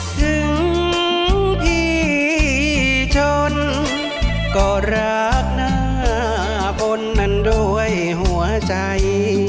ถึงพี่ชนก็รักหน้าบนมันด้วยหัวใจ